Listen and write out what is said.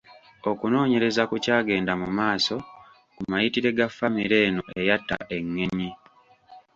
Okunoonyereza ku kyagenda mu maaso, kumayitire ga famire eno eyatta Engenyi.